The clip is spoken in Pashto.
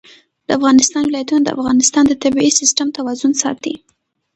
د افغانستان ولايتونه د افغانستان د طبعي سیسټم توازن ساتي.